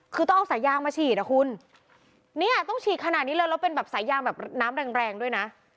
คือต้องเอาสายยางมาฉีดอ่ะคุณเนี่ยต้องฉีดขนาดนี้เลยแล้วเป็นแบบสายยางแบบน้ำแรงแรงด้วยนะ